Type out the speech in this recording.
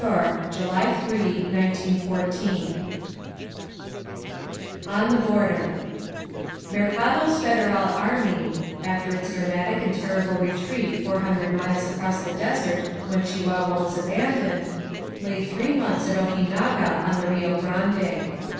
•• 307 •_• INSURGENT MEXICO ON THE BORDER MERCADO'S Federal army, after its dramatic and terrible retreat four hundred miles across the desert when Chihuahua was abandoned, lay three months at Ojinaga on the Rio Grande.